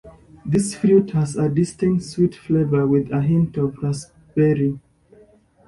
This fruit has a distinct, sweet flavor with a hint of raspberry.